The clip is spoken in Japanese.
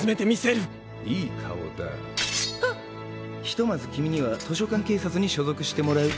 ひとまず君には図書館警察に所属してもらう。